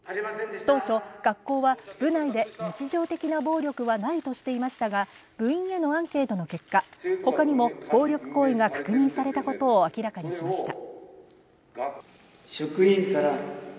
当初、学校は部内で日常的な暴力はないとしていましたが部員へのアンケートの結果他にも暴力行為が確認されたことを明らかになりました。